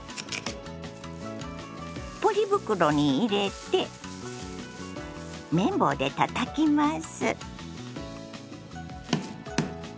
ポリ袋に入れて麺棒でたたきます。